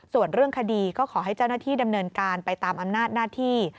ส่วนเรื่องคดีก็ขอให้เจ้าหน้าที่ดำเนินการไปตามอำนาจหน้าที่